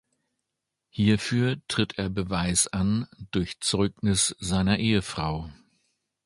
Hierfür tritt er Beweis an durch Zeugnis seiner Ehefrau.